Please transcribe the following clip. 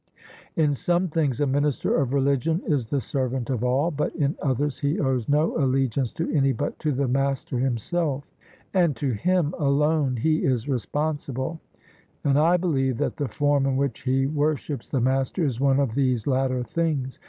In some things a minister of religion is the servant of all, but in others he owes no allegiance to any but to the Master Himself, and to Him alone he is responsible; and I believe that the form in which he worships the Master is one of these latter things.